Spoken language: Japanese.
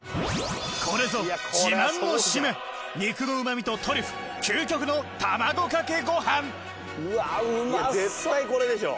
これぞ自慢のシメ肉のうま味とトリュフ究極の卵かけご飯うわうまそう。